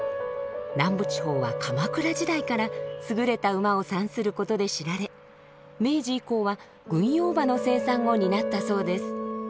南部地方は鎌倉時代から優れた馬を産することで知られ明治以降は軍用馬の生産を担ったそうです。